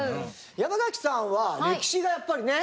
山崎さんは歴史がやっぱりね。